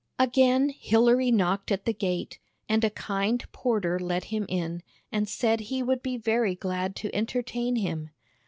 Again Hilary knocked at the gate, and a kind porter let him in, and said he would be very glad to entertain him.